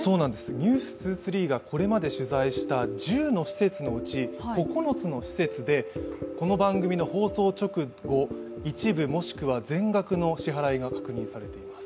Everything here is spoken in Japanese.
「ｎｅｗｓ２３」がこれまで取材した１０の施設のうち９つの施設でこの番組の放送直後、一部、もしくは全額の支払いが確認されています。